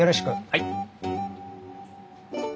はい。